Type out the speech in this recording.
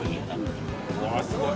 うわすごい！